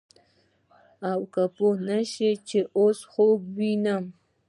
او پوه نه سې چې اوس خوب وينم.